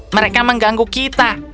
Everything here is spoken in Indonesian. mereka mengganggu kita